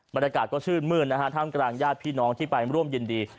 บรรยากาศก็ชื่นมื้นนะฮะท่ามกลางญาติพี่น้องที่ไปร่วมยินดี